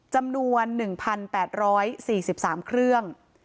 จำนวน๑๘๔๓เครื่อง